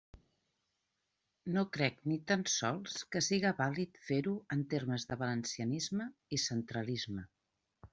No crec, ni tan sols, que siga vàlid fer-ho en termes de valencianisme i centralisme.